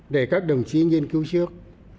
để các đồng chí nghiên cứu trước